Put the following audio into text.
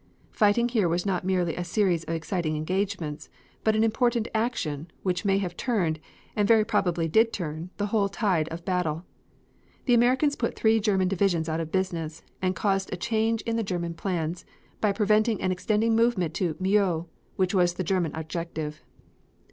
Fighting here was not merely a series of exciting engagements, but an important action, which may have turned, and very probably did turn, the whole tide of battle. The Americans put three German divisions out of business, and caused a change in the German plans, by preventing an extending movement to Meaux, which was the German objective.